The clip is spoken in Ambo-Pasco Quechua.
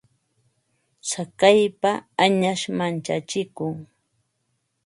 Tsakaypa añash manchachikun.